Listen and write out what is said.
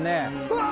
うわ！